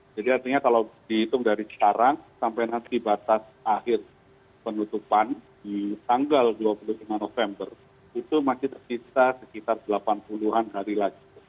jadi artinya kalau dihitung dari sekarang sampai nanti batas akhir penutupan di tanggal dua puluh lima november itu masih terpisah sekitar delapan puluh an hari lagi